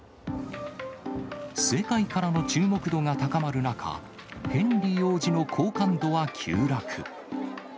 世界からの注目度が高まる中、ヘンリー王子の好感度は急落。